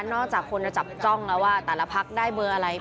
จากคนจะจับจ้องแล้วว่าแต่ละพักได้เบอร์อะไร